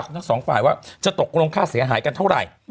ทั้งสองฝ่ายว่าจะตกลงค่าเสียหายกันเท่าไหร่